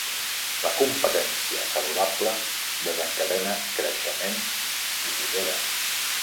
La competència saludable desencadena creixement i millora.